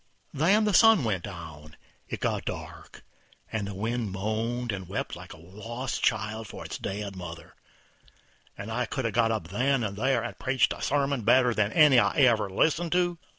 Then the sun went down, it got dark, the wind moaned and wept like a lost child for its dead mother, and I could 'a' got up then and there and preached a better sermon than any I ever listened to.